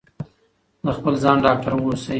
د خپل ځان ډاکټر اوسئ.